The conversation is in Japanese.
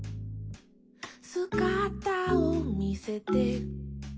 「すがたをみせて」